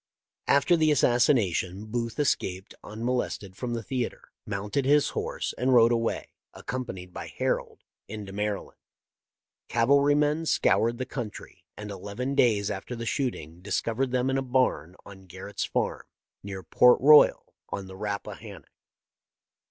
" After the assassination Booth escaped unmo lested from the theatre, mounted his horse, and rode away, accompanied by Harold, into Maryland. Cavalrymen scoured the country, and eleven days after the shooting discovered them in a barn on Garrett's farm, near Port Royal on the Rappa hannock.